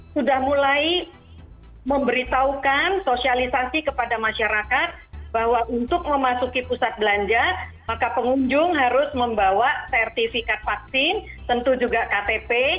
sudah mulai memberitahukan sosialisasi kepada masyarakat bahwa untuk memasuki pusat belanja maka pengunjung harus membawa sertifikat vaksin tentu juga ktp